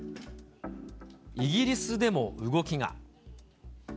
イギリスでも、動きが。